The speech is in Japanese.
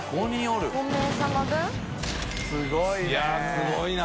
すごいね。